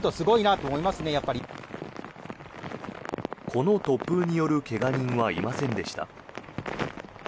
この突風による怪我人はいませんでした。